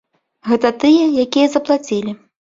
Гэта тыя, якія заплацілі.